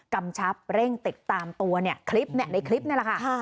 กำชับเร่งติดตามตัวในคลิปนี้แหละค่ะ